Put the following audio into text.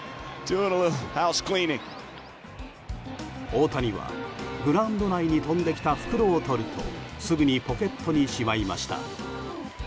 大谷は、グラウンド内に飛んできた袋をとるとすぐにポケットにしまいました。